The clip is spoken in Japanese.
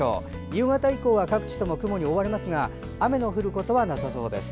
夕方以降は各地とも雲に覆われますが雨の降ることはなさそうです。